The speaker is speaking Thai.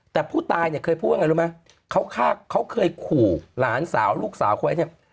แต่ผู้ตายเนี่ยเคยพูดว่าไงรู้ไหมเขาฆ่าเขาเคยขู่หลานสาวลูกสาวเขาไว้เนี่ย